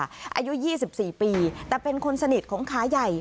อายุ๒๔ปีแต่เป็นคนสนิทของขาใหญ่